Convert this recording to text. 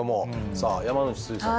さあ山之内すずさん